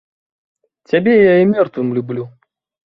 Цябе я і мёртвым люблю!